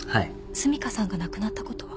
澄香さんが亡くなったことは。